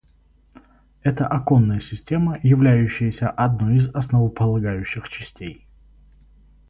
Это оконная система, являющаяся одной из основополагающих частей